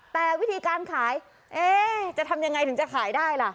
แต่วิธีการขายจะทำยังไงถึงจะขายได้ล่ะ